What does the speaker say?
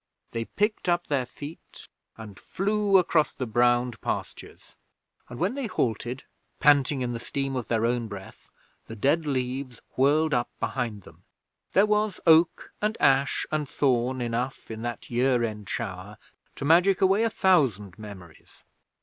They picked up their feet and flew across the browned pastures, and when they halted, panting in the steam of their own breath, the dead leaves whirled up behind them. There was Oak and Ash and Thorn enough in that year end shower to magic away a thousand memories.